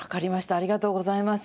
ありがとうございます。